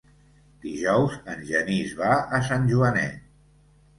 Dijous en Genís va a Sant Joanet.